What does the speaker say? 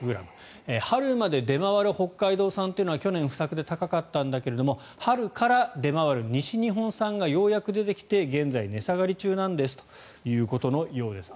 春まで出回る北海道産というのは去年、不作で高かったんだけど春から出回る西日本産がようやく出てきて現在、値下がり中なんですということのようです。